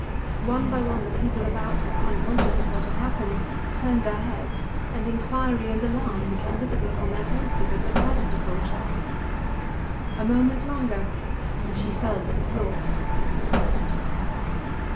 One by one the people about her, unconscious of what had happened, turned their heads, and inquiry and alarm became visible upon their faces at the sight of the poor child. A moment longer, and she fell to the floor.